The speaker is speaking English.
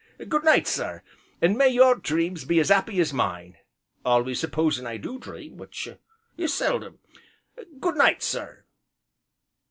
Good night, sir! an' may your dreams be as 'appy as mine, always supposin' I do dream, which is seldom. Good night, sir!"